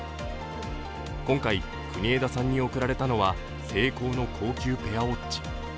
今回、国枝さんに贈られたのはセイコーの高級ペアウォッチ。